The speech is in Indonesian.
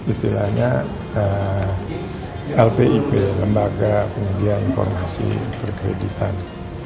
istilahnya lpip lembaga penyedia informasi perkreditan